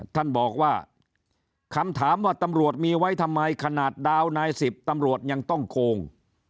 ท่านบอกว่าคำถามว่าตำรวจมีไว้ทำไมขนาดดาวนาย๑๐ตำรวจยังต้องโกง